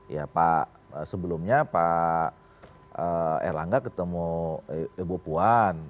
ya pak sebelumnya pak erlangga ketemu ibu puan